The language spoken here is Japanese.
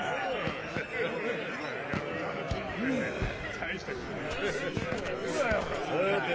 大したことねぇ。